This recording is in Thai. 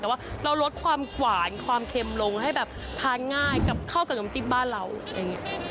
แต่ว่าเราลดความหวานความเค็มลงให้แบบทานง่ายกับเข้ากับน้ำจิ้มบ้านเราอย่างนี้